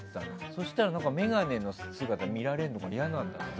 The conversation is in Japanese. そうしたらさ、眼鏡の姿を見られるのが嫌なんだって。